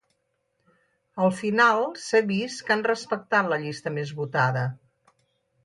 al final s'ha vist que han respectat la llista més votada